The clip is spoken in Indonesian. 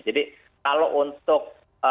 jadi kalau untuk